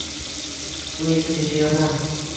bu esa juda yomon.